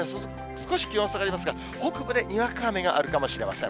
少し気温下がりますが、北部でにわか雨があるかもしれません。